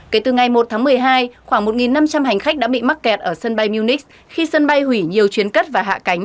kể từ ngày một tháng một mươi hai khoảng một năm trăm linh hành khách đã bị mắc kẹt ở sân bay munich khi sân bay hủy nhiều chuyến cất và hạ cánh